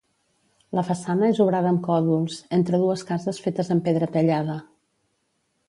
La façana és obrada amb còdols, entre dues cases fetes amb pedra tallada.